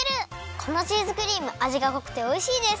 このチーズクリームあじがこくておいしいです！